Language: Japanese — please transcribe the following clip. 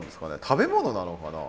食べ物なのかな。